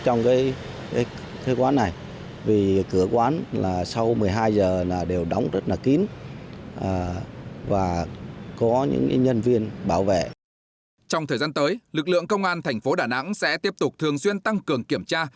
trong thời gian tới lực lượng công an thành phố đà nẵng sẽ tiếp tục thường xuyên tăng cường kiểm tra